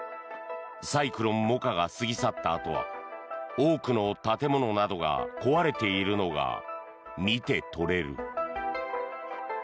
サイクロン、モカが過ぎ去ったあとは多くの建物などが壊れているのが見て取れる。